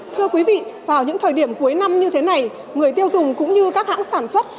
thưa quý vị vào những thời điểm cuối năm như thế này người tiêu dùng cũng như các hãng sản xuất